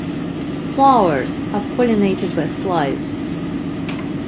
Flowers are pollinated by flies.